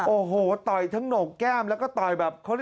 โอ้โหต่อยทั้งโหนกแก้มแล้วก็ต่อยแบบ